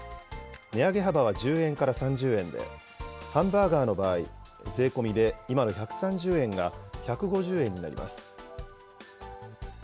値上げ幅は１０円から３０円で、ハンバーガーの場合、税込みで今の１３０円が１５０円になります。